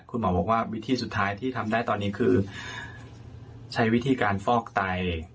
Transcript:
คุณหมอบอกว่าวิธีสุดท้ายที่ทำได้ตอนนี้คือใช้วิธีการฟอกไต